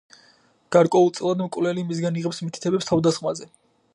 გარკვეულწილად მკვლელი მისგან იღებს მითითებებს თავდასხმაზე.